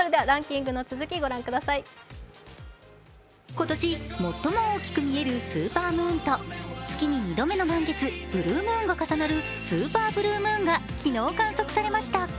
今年最も大きく見えるスーパームーンと月に２度目の満月、ブルームーンが重なるスーパーブルームーンが昨日観測されました。